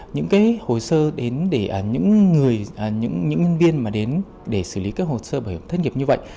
những hồ sơ đến để những nhân viên mà đến để xử lý các hồ sơ bảo hiểm thất nghiệp như vậy